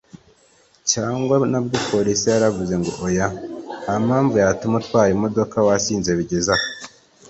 cyangwa nabwo polisi yaravuze ngo oya nta mpamvu yatuma utwara imodoka wasinze bigeze aha